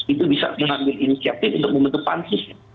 itu bisa mengambil inisiatif untuk membentuk pansus